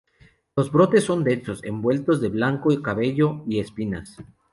Los brotes son densos envueltos de blanco cabello y espinas.